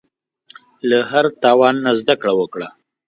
له هر تاوان نه زده کړه وکړه.